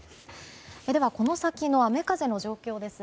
では、この先の雨風の状況です。